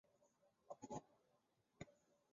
后开始担任同人歌手。